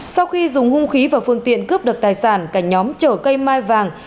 sau khi dùng hung khí và phương tiện cướp đợt tài sản cả nhóm trở cây mai vàng